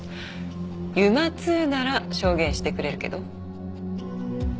ＵＭＡ−Ⅱなら証言してくれるけど？